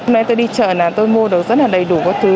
nên tôi đi chợ này tôi mua được rất là đầy đủ các thứ